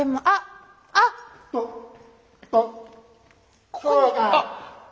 あっあった！